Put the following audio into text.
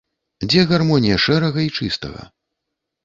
Дзе гармонія шэрага й чыстага?